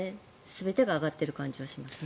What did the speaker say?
全てが上がってる感じがします。